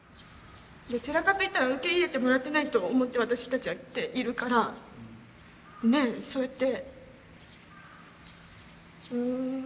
どちらかといったら受け入れてもらってないと思って私たちはきているからそうやって。